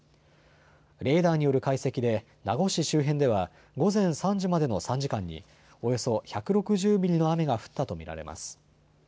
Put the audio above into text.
レーダーによる解析で名護市周辺では午前３時までの３時間に、およそ１６０ミリの雨が降ったと見られます。